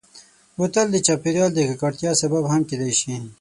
بوتل د چاپېریال د ککړتیا سبب هم کېدای شي.